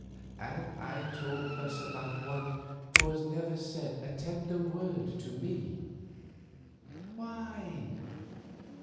"And I talk thus about one who has never said a tender word to me. Why?